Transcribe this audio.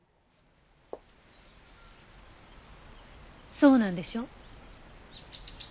そうなんでしょう？